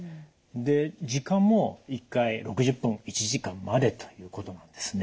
で時間も１回６０分１時間までということなんですね。